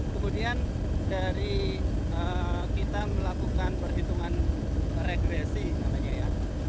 kemudian dari kita melakukan perhitungan regresi namanya ya